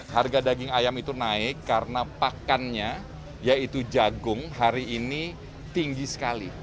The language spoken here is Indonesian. harga daging ayam itu naik karena pakannya yaitu jagung hari ini tinggi sekali